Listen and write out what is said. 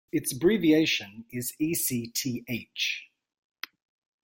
Its abbreviation is Ecth.